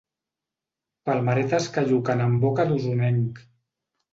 Palmeretes que lluquen en boca d'osonenc.